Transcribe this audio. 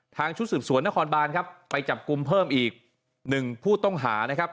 ชุดสืบสวนนครบานครับไปจับกลุ่มเพิ่มอีกหนึ่งผู้ต้องหานะครับ